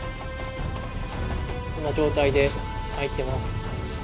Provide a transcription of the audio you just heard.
こんな状態で入ってます。